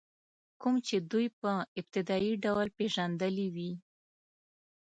کوم چې دوی په ابتدایي ډول پېژندلي وي.